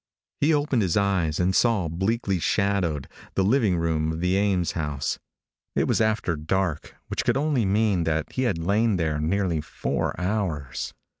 He opened his eyes, and saw, bleakly shadowed, the living room of the Ames house. It was after dark, which could only mean that he had lain there nearly four hours.